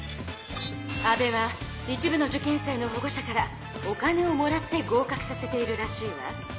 安部は一部の受験生の保護者からお金をもらって合かくさせているらしいわ。